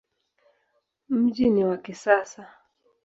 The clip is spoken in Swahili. Mji ni wa kisasa.